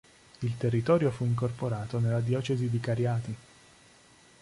Il territorio fu incorporato nella diocesi di Cariati.